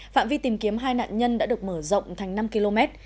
phạm vi tìm kiếm hai nạn nhân đã được mở rộng thành năm km